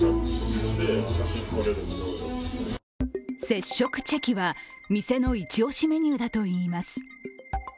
接触チェキは店の一押しメニューだといいます。